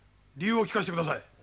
理由を聞かせてください。